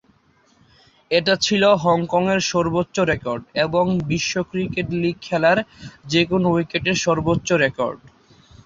এটা ছিল হংকংয়ের সর্বোচ্চ রেকর্ড এবং বিশ্ব ক্রিকেট লীগ খেলার যেকোন উইকেটের সর্বোচ্চ রেকর্ড।